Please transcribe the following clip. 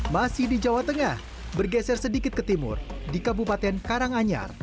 masih di jawa tengah bergeser sedikit ke timur di kabupaten karanganyar